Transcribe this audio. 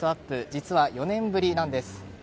実は４年ぶりなんです。